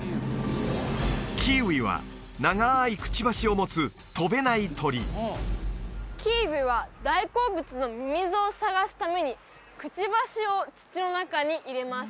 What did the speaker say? キーウィは長いクチバシを持つ飛べない鳥キーウィは大好物のミミズを探すためにクチバシを土の中に入れます